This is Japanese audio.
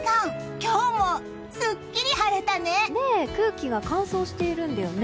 今日もすっきり晴れたね！